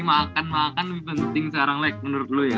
makan makan penting sekarang lek menurut lu ya